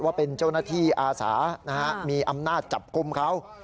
ว่าเป็นเจ้าหน้าที่อาสามีอำนาจจับกลุ่มเขา